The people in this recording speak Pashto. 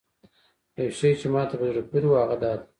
یو شی چې ماته په زړه پورې و هغه دا دی.